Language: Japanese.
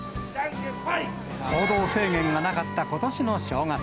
行動制限がなかったことしの正月。